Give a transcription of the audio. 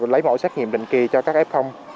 lấy mẫu xét nghiệm định kỳ cho các f